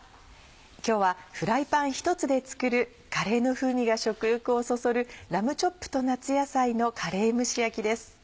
今日はフライパン一つで作るカレーの風味が食欲をそそる「ラムチョップと夏野菜のカレー蒸し焼き」です。